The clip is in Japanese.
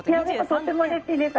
とてもうれしいです。